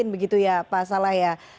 begitu ya pak salah ya